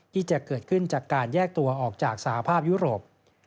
ที่จะเกิดขึ้นจากการแยกตัวออกจากสหภาพยุโรป